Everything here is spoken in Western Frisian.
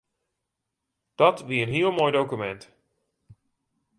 Dat wie in heel moai dokumint.